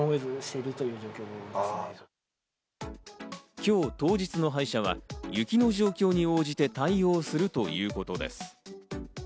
今日、当日の配車は雪の状況に応じて対応するということです。